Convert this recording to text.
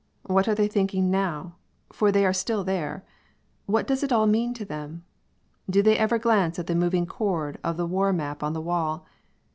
What are they thinking now? for they are still there. What does it all mean to them? Do they ever glance at the moving cord of the war map on the wall?